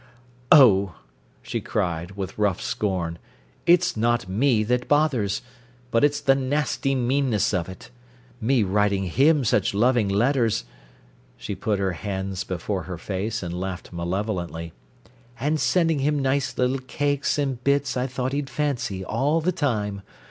"Oh !" she cried, with rough scorn "it's not me that bothers. But it's the nasty meanness of it. Me writing him such loving letters" she put her hands before her face and laughed malevolently "and sending him nice little cakes and bits I thought he'd fancy all the time.